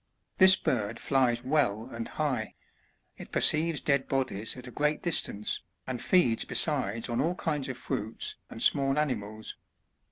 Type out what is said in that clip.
This bird flies well and high ; it perceives dead bodies at a great distance, and feeds besides on all kinds of fruits and small animals.